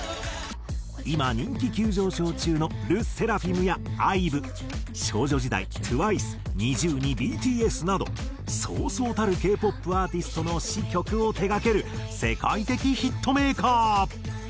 今人気急上昇中のＬＥＳＳＥＲＡＦＩＭやＩＶＥ少女時代ＴＷＩＣＥＮｉｚｉＵにＢＴＳなどそうそうたるＫ−ＰＯＰアーティストの詞曲を手がける世界的ヒットメーカー。